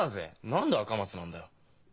何で赤松なんだよ。